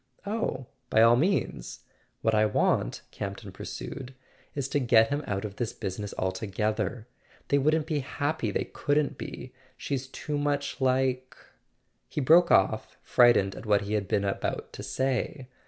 "Oh, by all means. What I want," Campton pur¬ sued, "is to get him out of this business altogether. They wouldn't be happy—they couldn't be. She's too much like " He broke off, frightened at what he had been about to say.